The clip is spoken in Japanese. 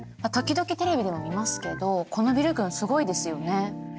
時々テレビでも見ますけどこのビル群すごいですよね。